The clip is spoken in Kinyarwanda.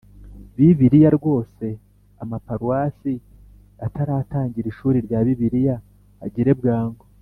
bibiliya. rwose ama paruwasi ataratangiza ishuri rya bibiliya agire bwangu.